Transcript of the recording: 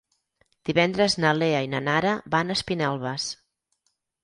Divendres na Lea i na Nara van a Espinelves.